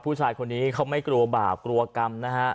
ผู้ชายคนนี้เขาไม่กลัวบาปกลัวกรรมนะฮะ